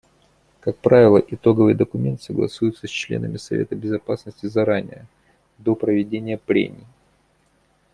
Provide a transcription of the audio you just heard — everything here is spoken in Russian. Как правило, итоговый документ согласуется с членами Совета Безопасности заранее, до проведения прений.